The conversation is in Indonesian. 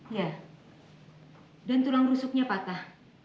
ya dan tulang rusuknya patah